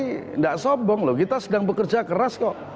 tidak sombong loh kita sedang bekerja keras kok